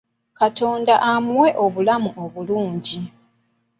Katonda amuwe obulamu obulungi.